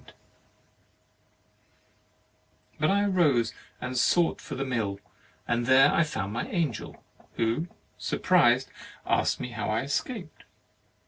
34 HEAVEN AND HELL But I arose, and sought for the mill, and there I found my Angel, who, surprised, asked me how I escaped.